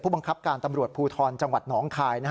บังคับการตำรวจภูทรจังหวัดหนองคาย